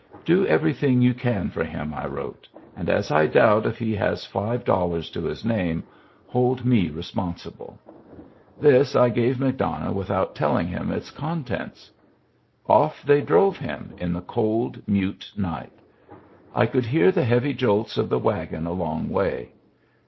" Do everything you can for him," I wrote, " and as I doubt if he has five dollars to his name, hold me responsible." This I gave McDonough without telling him its con tents. OfiE they drove him in the cold, mute Digitized by Google THE GIFT HORSE 167 night ; I could hear the heavy jolts of the wagon a long way.